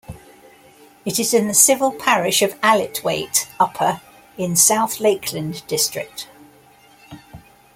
It is in the civil parish of Allithwaite Upper, in South Lakeland district.